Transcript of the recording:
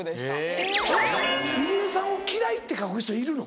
えっ入江さんを嫌いって書く人いるの？